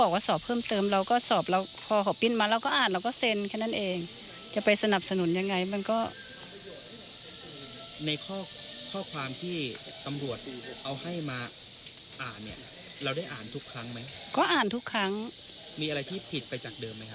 ว่าสอบเพิ่มเติมเราก็เอาปริ้นเสร็จเราก็ออกมาอ่าน